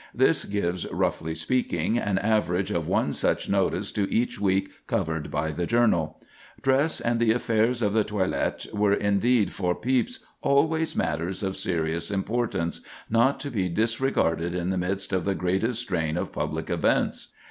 This gives, roughly speaking, an average of one such notice to each week covered by the journal. Dress and the affairs of the toilet were indeed for Pepys always matters of serious importance, not to be disregarded in the midst of the greatest strain of public events.